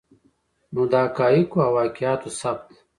نو د حقایقو او واقعاتو ثبت